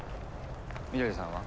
翠さんは？